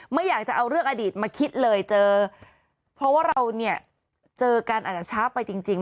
ไม่อยากจะเอาเรื่องอดีตมาคิดเลยเจอเพราะว่าเราเนี่ยเจอกันอาจจะช้าไปจริงจริง